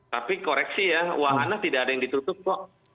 tapi koreksi ya wahana tidak ada yang ditutup kok